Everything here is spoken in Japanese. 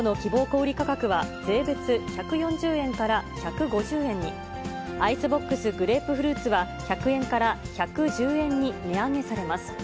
小売り価格は税別１４０円から１５０円に、アイスボックスグレープフルーツは１００円から１１０円に値上げされます。